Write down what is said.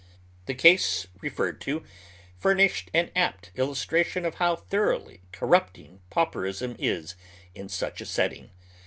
The case referred to furnished an apt ilhistration of how thoroughly corrupting pauperism is in such a setting.